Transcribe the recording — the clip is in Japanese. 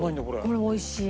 これおいしい。